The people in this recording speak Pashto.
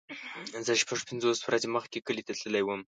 زه شپږ پنځوس ورځې مخکې کلی ته تللی وم.